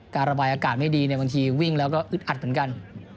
การระบายอากาศไม่ดีบางทีวิ่งแล้วก็อึดอัดเหมือนกัน